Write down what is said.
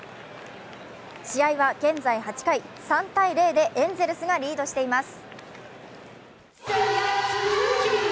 試合は現在８回、３−０でエンゼルスがリードしています。